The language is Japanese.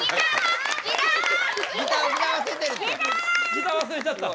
ギター忘れちゃった。